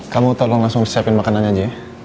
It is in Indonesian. kamu tolong langsung siapin makanan aja ya